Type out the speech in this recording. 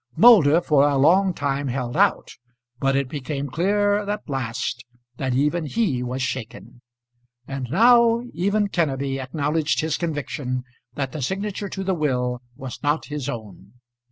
Moulder for a long time held out, but it became clear at last that even he was shaken; and now, even Kenneby acknowledged his conviction that the signature to the will was not his own.